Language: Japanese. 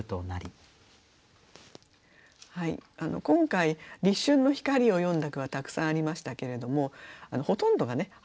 今回立春の光を詠んだ句はたくさんありましたけれどもほとんどがね